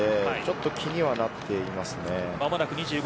気にはなっています。